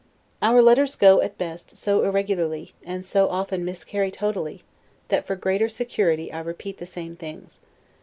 Our letters go, at best, so irregularly, and so often miscarry totally, that for greater security I repeat the same things.